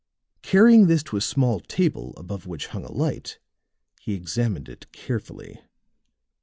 Carrying this to a small table above which hung a light, he examined it carefully.